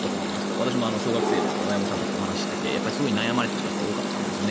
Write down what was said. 私も小学生の親御さんたちとお話ししていてすごく悩まれている方が多かったんですよね。